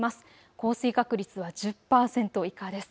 降水確率は１０％以下です。